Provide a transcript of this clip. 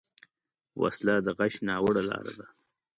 وسله د غچ ناوړه لاره ده